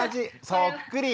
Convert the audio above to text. そっくり。